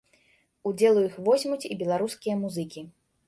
Удзел у іх возьмуць і беларускія музыкі.